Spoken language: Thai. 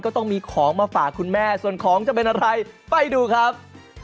ต้องมีของมาฝากคุณแม่ส่วนของจะเป็นอะไรไปดูครับ